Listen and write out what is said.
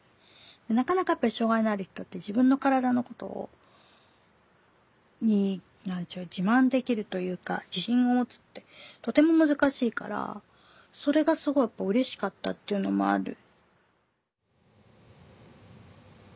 なかなかやっぱり障害のある人って自分の身体のことに何て言う自慢できるというか自信を持つってとても難しいからそれがすごいうれしかったっていうのもある。